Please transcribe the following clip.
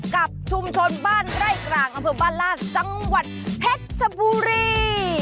กับชุมชนบ้านไร่กลางอำเภอบ้านลาดจังหวัดเพชรชบุรี